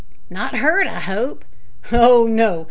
"Not hurt, I hope?" "Oh no!